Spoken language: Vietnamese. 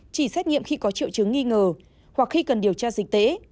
chỉ xét nghiệm khi có triệu chứng nghi ngờ hoặc khi cần điều tra dịch tễ